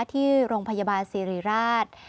ที่โรงพยาบาลสิริราช